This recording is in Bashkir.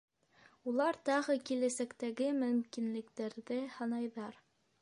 Улар тағы киләсәктәге мөмкинлектәрҙе һанайҙар: